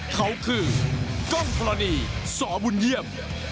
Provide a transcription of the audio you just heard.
เขาคือกล้องธรณีสบุญเยี่ยม